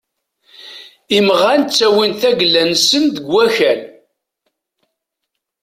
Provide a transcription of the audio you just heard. Imɣan ttawin-d tagella-nsen deg wakal.